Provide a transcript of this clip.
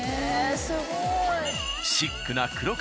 すごい。